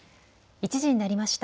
１時になりました。